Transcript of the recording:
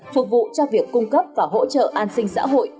phục vụ cho việc cung cấp và hỗ trợ an sinh xã hội